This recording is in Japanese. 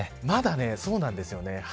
まだ、そうなんですよね。